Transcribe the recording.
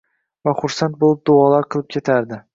va xursand bo'lib, duolar qilib ketardi.